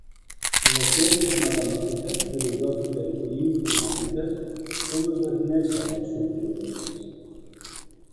En les ciències matemàtiques, filosòfiques i informàtiques, com es defineixen els sortilegis?